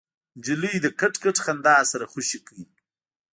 نجلۍ له کټ کټ خندا سره خوشې کړ.